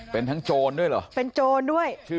เป็นทั้งโจรด้วยเหรอ